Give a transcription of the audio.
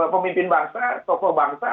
pemimpin bangsa tokoh bangsa